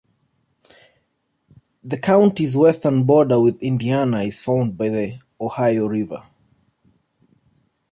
The county's western border with Indiana is formed by the Ohio River.